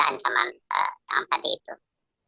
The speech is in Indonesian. nah itu yang sampai sekarang saya nggak ngerti nih